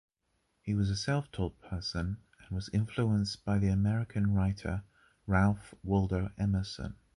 He was a self taught person and was influenced by the American writer Ralph Waldo Emerson.